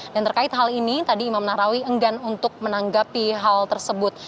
dan terkait hal ini tadi imam nahrawi enggan untuk menanggapi hal tersebut